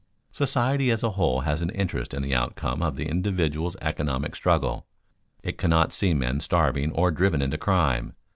Society as a whole has an interest in the outcome of the individual's economic struggle. It cannot see men starving or driven into crime.